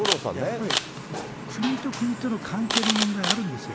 やっぱり国と国との関係の問題、あるんですよ。